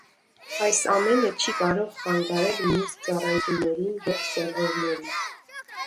Այս ամենը չի կարող խանգարել մյուս ծառայություններին և սերվերներին։